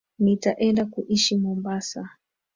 NItaenda kuishi Mombasa